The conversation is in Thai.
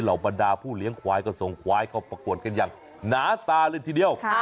บรรดาผู้เลี้ยงควายก็ส่งควายเข้าประกวดกันอย่างหนาตาเลยทีเดียว